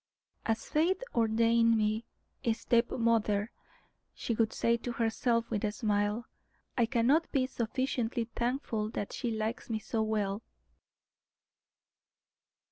"As fate ordained me a step mother," she would say to herself with a smile, "I cannot be sufficiently thankful that she likes me so well."